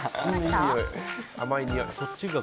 甘いにおい。